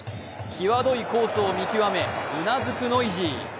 際どいコースを見極め、うなずくノイジー。